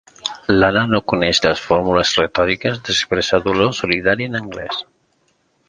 L'Anna no coneix les fórmules retòriques d'expressar dolor solidari en anglès.